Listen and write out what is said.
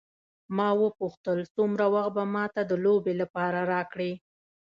ما وپوښتل څومره وخت به ما ته د لوبې لپاره راکړې.